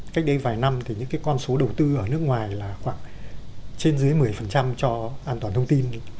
cách đây vài năm thì những cái con số đầu tư ở nước ngoài là khoảng trên dưới một mươi cho an toàn thông tin